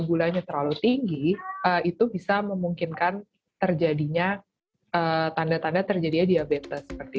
gulanya terlalu tinggi itu bisa memungkinkan terjadinya tanda tanda terjadinya diabetes